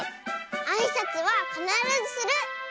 あいさつはかならずする！